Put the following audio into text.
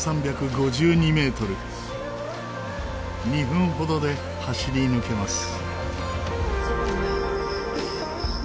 ２分ほどで走り抜けます。